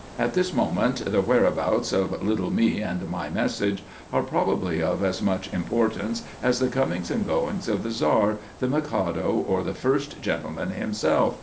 At this moment, the whereabouts of little me and my message, are probably of as much importance as the comings and goings of the Czar, the Mikado, or the First Gentleman himself.